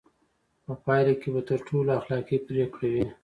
په پایله کې به تر ټولو اخلاقي پرېکړه وي.